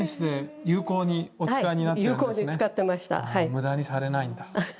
無駄にされないんだ。